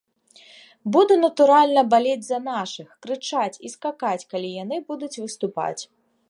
Буду, натуральна, балець за нашых, крычаць і скакаць, калі яны будуць выступаць.